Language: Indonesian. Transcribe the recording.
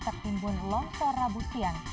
tertimbun longsor rabu siang